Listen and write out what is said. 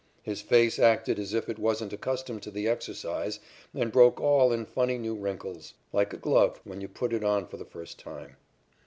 His face acted as if it wasn't accustomed to the exercise and broke all in funny new wrinkles, like a glove when you put it on for the first time.